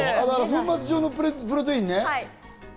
粉末状のプロテインね。